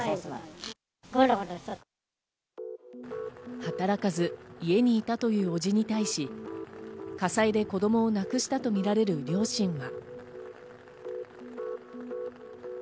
働かず家にいたという伯父に対し火災で子供を亡くしたとみられる両親は。